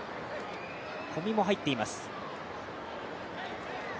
小見も入っています。